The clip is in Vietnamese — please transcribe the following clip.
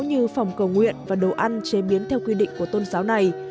như phòng cầu nguyện và đồ ăn chế biến theo quy định của tôn giáo này